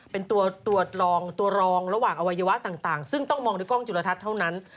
เป็นตัวรองตัวรองระหว่างอวัยวะต่างซึ่งต้องมองในกล้องจุลทัศน์เท่านั้น